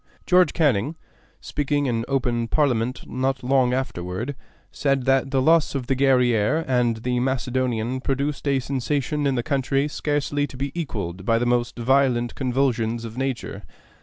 George Canning, speaking in open Parliament not long afterward, said that the loss of the Guerrière and the Macedonian produced a sensation in the country scarcely to be equaled by the most violent convulsions of nature.